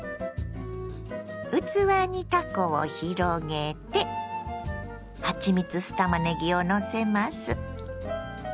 器にたこを広げてはちみつ酢たまねぎをのせます。